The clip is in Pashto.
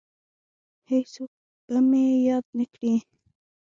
هیڅوک به مې یاد نه کړي